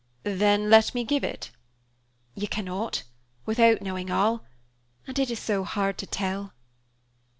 "Then let me give it?" "You cannot, without knowing all, and it is so hard to tell!"